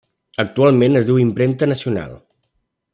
Actualment es diu Impremta Nacional.